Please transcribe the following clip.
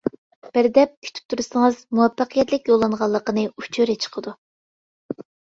بىر دەپ كۈتۈپ تۇرسىڭىز مۇۋەپپەقىيەتلىك يوللانغانلىقىنى ئۇچۇرى چىقىدۇ.